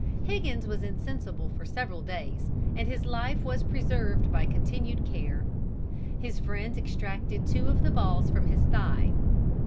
"Higgins was insensible for several days, and his life was preserved by continued care. His friends extracted two of the balls from his thigh.